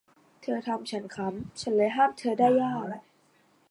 เธอทำฉันขำ ฉันเลยห้ามเธอได้ยาก